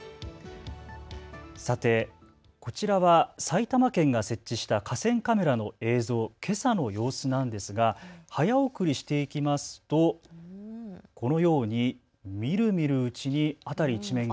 さて、こちらは埼玉県が設置した河川カメラの映像、けさの様子なんですが早送りしていきますとこのようにみるみるうちに辺り一面が。